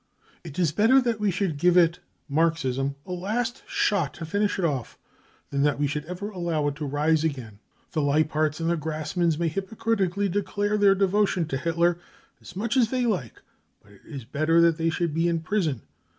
* 46 It is better that we should give it (Marxism) a last shot to finish it off than that we should ever allow it to rise again. The Leiparts and the Grassmanns may hypo critically declare their devotion to Hitler as much as they like — but it is better that they should be in prison.